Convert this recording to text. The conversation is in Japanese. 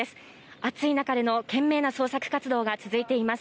暑い中での懸命な捜索活動が続いています。